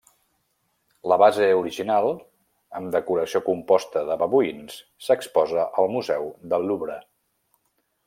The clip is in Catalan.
La base original, amb decoració composta de babuïns, s'exposa al Museu del Louvre.